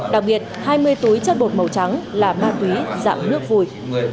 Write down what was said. đặc biệt hai mươi túi chất bột màu trắng là ma túy dạng nước vùi